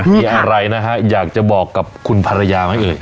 มีอะไรนะฮะอยากจะบอกกับคุณภรรยาไหมเอ่ย